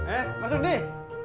eh masuk deh